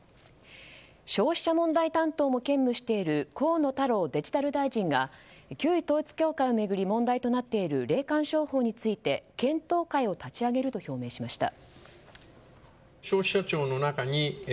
消費者問題担当も兼務している河野太郎デジタル大臣が旧統一教会を巡り問題となっている霊感商法について検討会を立ち上げると表明しました。